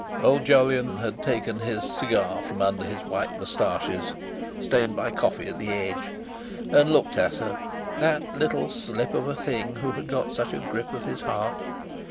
Old Jolyon had taken his cigar from under his white moustaches, stained by coffee at the edge, and looked at her, that little slip of a thing who had got such a grip of his heart.